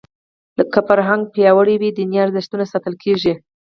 که فرهنګ پیاوړی وي دیني ارزښتونه ساتل کېږي.